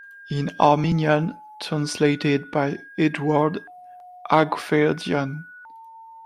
In Armenian, translated by Eduard Hakhverdyan.